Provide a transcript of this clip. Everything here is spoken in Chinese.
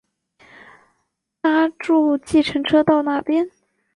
搭著计程车到那边